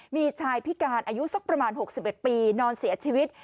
มีชายพิการอายุสักประมาณ๖๑ปีนอนเสียชีวิต